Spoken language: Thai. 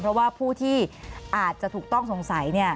เพราะว่าผู้ที่อาจจะถูกต้องสงสัย